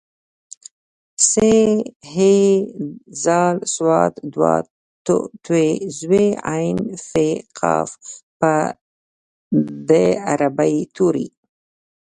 ث ح ذ ص ض ط ظ ع ف ق په د عربۍ توري